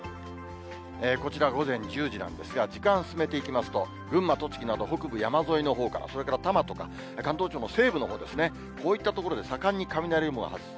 こちら午前１０時なんですが、時間進めていきますと、群馬、栃木など北部山沿いのほうから、それから多摩とか、関東地方の西部のほうですね、こういった所で盛んに雷雲が発生。